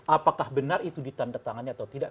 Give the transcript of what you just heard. apakah benar itu ditandatangani atau tidak